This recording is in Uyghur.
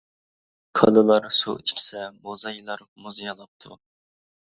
كالىلار سۇ ئىچسە، موزايلار مۇز يالاپتۇ.